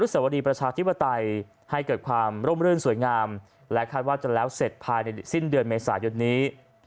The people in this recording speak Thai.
สวรีประชาธิปไตยให้เกิดความร่มรื่นสวยงามและคาดว่าจะแล้วเสร็จภายในสิ้นเดือนเมษายนนี้